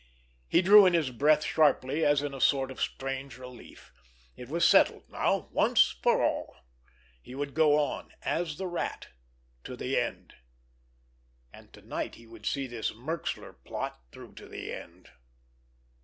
He drew in his breath sharply as in a sort of strange relief. It was settled now, once for all! He would go on—as the Rat—to the end. And to night he would see this Merxler plot through to the end.